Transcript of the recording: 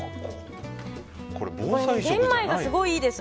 玄米がすごいいいです。